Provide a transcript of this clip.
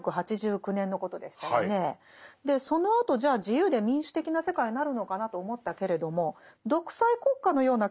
そのあとじゃあ自由で民主的な世界になるのかなと思ったけれども独裁国家のような強権的政治体制ってなくなってないですよね。